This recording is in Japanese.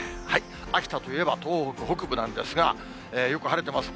秋田といえば東北北部なんですが、よく晴れてます。